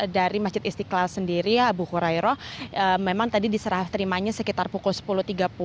jadi masjid istiqlal sendiri abu khurairah memang tadi diserah terimanya sekitar pukul sepuluh tiga puluh